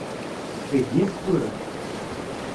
Eg-it tura.